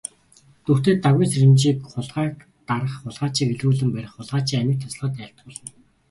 Дүртэд Дагвын сэржмийг хулгайг дарах, хулгайчийг илрүүлэн барих, хулгайчийн амийг таслахад айлтгуулна.